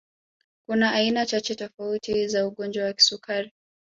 Kuna aina chache tofauti za ugonjwa wa kisukari